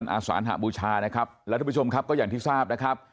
อาสานหบูชานะครับแล้วทุกผู้ชมครับก็อย่างที่ทราบนะครับ